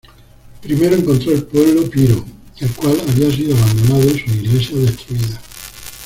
Primero encontró el pueblo Piro, el cual había sido abandonado y sus iglesias destruidas.